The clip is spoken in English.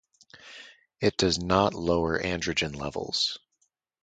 It does not lower androgen levels.